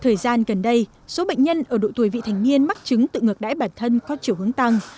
thời gian gần đây số bệnh nhân ở độ tuổi vị thành niên mắc chứng tự ngược đãi bản thân có chiều hướng tăng